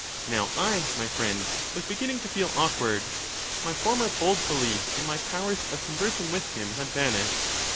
Now I, my friend, was beginning to feel awkward; my former bold belief in my powers of conversing with him had vanished.